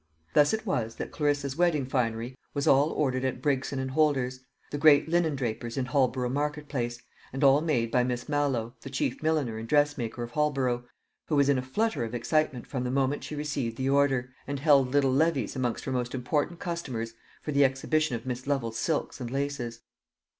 Thus it was that Clarissa's wedding finery was all ordered at Brigson and Holder's, the great linendrapers in Holborough market place, and all made by Miss Mallow, the chief milliner and dressmaker of Holborough, who was in a flutter of excitement from the moment she received the order, and held little levees amongst her most important customers for the exhibition of Miss Lovel's silks and laces.